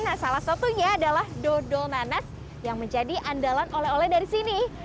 nah salah satunya adalah dodol nanas yang menjadi andalan oleh oleh dari sini